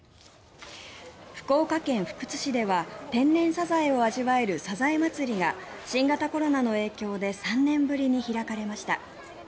福岡県福津市では天然サザエを味わえるさざえまつりが新型コロナの影響で３年ぶりに開かれました。